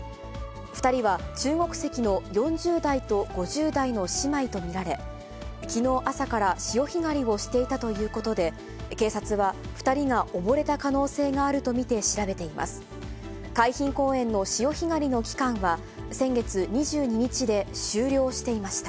２人は中国籍の４０代と５０代の姉妹と見られ、きのう朝から潮干狩りをしていたということで、警察は２人が溺れた可能性があると見て調べています。